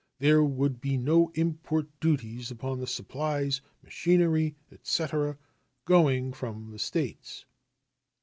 There would be no import duties upon the supplies, machinery, etc., going from the States.